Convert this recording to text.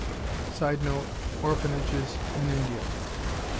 [Sidenote: Orphanages in India.